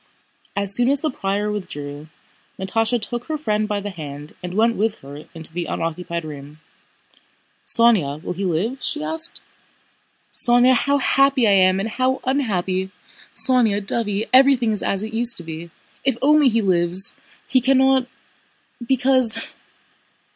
As soon as the prior withdrew, Natásha took her friend by the hand and went with her into the unoccupied room. "Sónya, will he live?" she asked. "Sónya, how happy I am, and how unhappy!... Sónya, dovey, everything is as it used to be. If only he lives! He cannot... because...